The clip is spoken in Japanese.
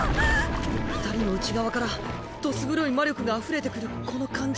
二人の内側からどす黒い魔力があふれてくるこの感じ。